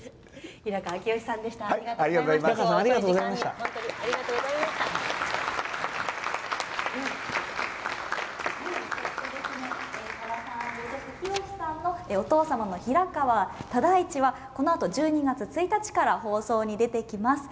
平川洌さんのお父様の平川唯一はこのあと、１２月１日から放送に出てきます。